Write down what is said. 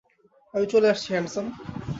আমি চলে আসছি, হ্যান্ডসাম।